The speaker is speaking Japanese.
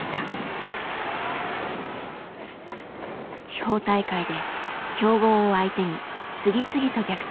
地方大会で強豪を相手に次々と逆転勝利。